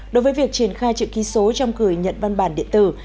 đối với việc triển khai chữ ký số trong gửi nhận văn bản điện tử